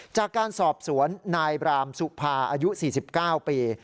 จากการสอบสวนนายบรามสุภาอายุ๔๙ปี